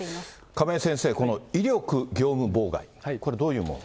亀井先生、この威力業務妨害、これ、どういうもの。